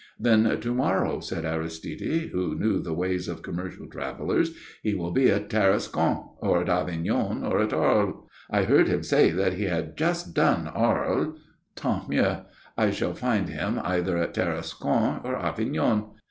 "Then to morrow," said Aristide, who knew the ways of commercial travellers, "he will be at Tarascon, or at Avignon, or at Arles." "I heard him say that he had just done Arles." "Tant mieux. I shall find him either at Tarascon or Avignon.